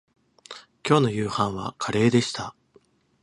きょうの夕飯はカレーでした